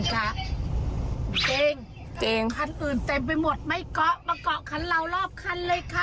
เก่งเก่งคันอื่นเต็มไปหมดไม่เกาะมาเกาะคันเรารอบคันเลยค่ะ